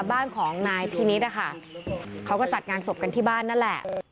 บ้านของนายพินิษฐ์นะคะเขาก็จัดงานศพกันที่บ้านนั่นแหละ